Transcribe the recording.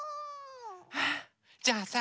じゃあさ